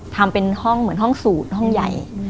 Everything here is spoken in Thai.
ทำเป็นห้องเหมือนห้องสูตรห้องใหญ่